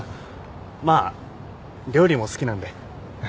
まあ料理も好きなんで。